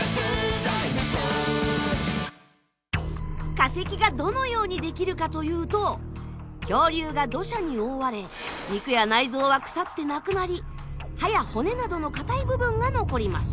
化石がどのようにできるかというと恐竜が土砂に覆われ肉や内臓は腐ってなくなり歯や骨などの硬い部分が残ります。